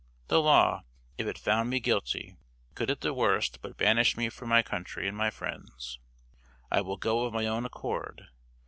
The law, if it found me guilty, could at the worst but banish me from my country and my friends. I will go of my own accord.